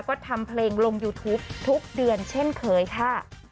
ก็ทำเพลงลงยูทูปทุกเดือนเช่นเคยค่ะ